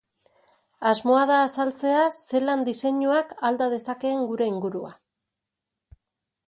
Asmoa da azaltzea zelan diseinuak alda dezakeen gure ingurua.